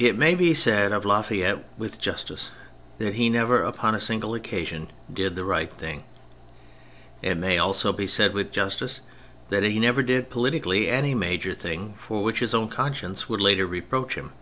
It may be said of La Fayette with justice that he never upon a single occasion did the right thing. It may also be said with justice that he never did politically any major thing for which his own conscience would later reproach him.